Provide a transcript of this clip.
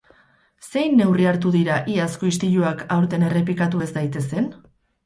Zein neurri hartu dira iazko istiluak aurten errepikatu ez daitezen?